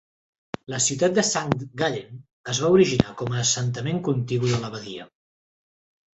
La ciutat de Sankt Gallen es va originar com a assentament contigu de l'abadia.